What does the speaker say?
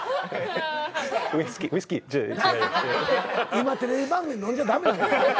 今テレビ番組飲んじゃ駄目なのよ。